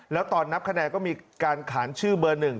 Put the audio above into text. แล้วตอนนับคะแนนก็มีการขานชื่อเบอร์๑